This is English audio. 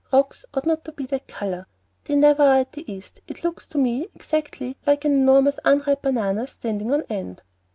Rocks ought not to be that color. They never are at the East. It looks to me exactly like an enormous unripe banana standing on end."